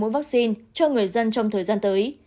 vaccine cho người dân trong thời gian tới